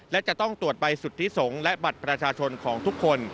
และจะต้องตรวจใบสุทธิสงฆ์และบัตรประชาชนของทุกคน